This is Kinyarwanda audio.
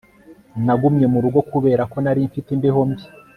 Nagumye mu rugo kubera ko nari mfite imbeho mbi